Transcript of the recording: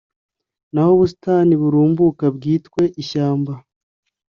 naho ubusitani burumbuka bwitwe ishyamba.